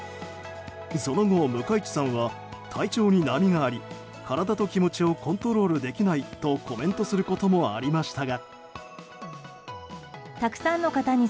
その後、向井地さんは体調に波があり、体と気持ちをコントロールできないとコメントすることもありましたが。